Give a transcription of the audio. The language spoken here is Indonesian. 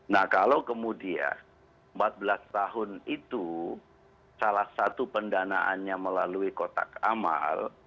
nah kalau kemudian empat belas tahun itu salah satu pendanaannya melalui kotak amal